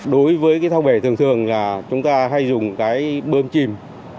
đối với cái thao bể thường thường là chúng ta hay dùng cái bơm chìm